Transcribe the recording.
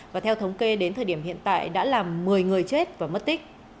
và theo thống kê đến thời điểm hiện tại đã làm một mươi người chết và mất tích